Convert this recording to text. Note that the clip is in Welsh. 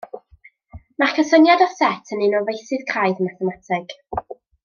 Mae'r cysyniad o set yn un o feysydd craidd mathemateg.